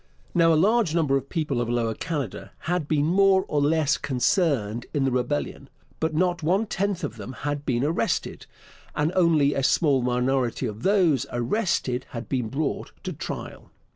Now, a large number of the people of Lower Canada had been more or less concerned in the rebellion, but not one tenth of them had been arrested, and only a small minority of those arrested had been brought to trial.